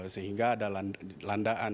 sehingga ada landaan